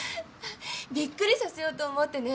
びっくりさせようと思ってね。